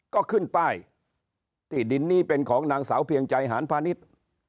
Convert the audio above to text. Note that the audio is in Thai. ก็ขึ้นป้ายที่ดินนี้เป็นของนางสาวเพียงใจหานพาณิชย์